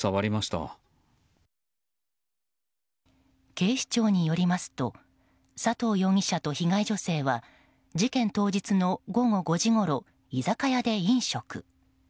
警視庁によりますと佐藤容疑者と被害女性は事件当日の午後５時ごろ居酒屋で飲食。